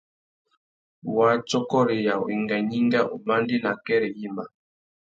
Wātsôkôreya, wenga gnïnga, umandēna akêrê yïmá.